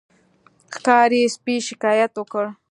ښکاري سپي شکایت وکړ.